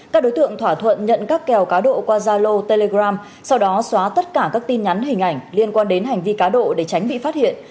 các đối tượng thỏa thuận nhận các kèo cá độ qua zalo telegram sau đó xóa tất cả các tin nhắn hình ảnh liên quan đến hành vi cá độ để tránh bị phát hiện